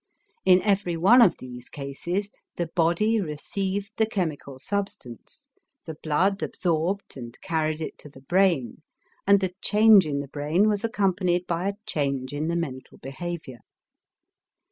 In every one of these cases, the body received the chemical substance, the blood absorbed and carried it to the brain, and the change in the brain was accompanied by a change in the mental behavior.